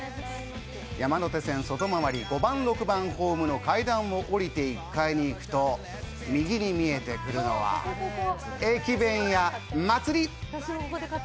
山手線外回り５番６番ホームの階段を下りて１階に行くと、右に見えてくるのは駅弁屋祭。